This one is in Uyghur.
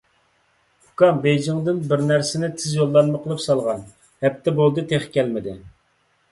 ئۇكام بېيجىڭدىن بىر نەرسىنى تېز يوللانما قىلىپ سالغان. ھەپتە بولدى، تېخى كەلمىدى.